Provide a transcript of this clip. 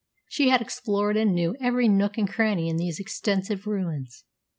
She had explored and knew every nook and cranny in those extensive ruins.